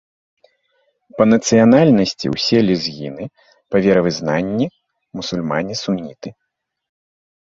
Па нацыянальнасці ўсе лезгіны, па веравызнанні мусульмане-суніты.